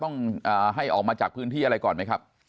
ต้องให้ออกมาจากพื้นที่อะไรก่อนไหมครับ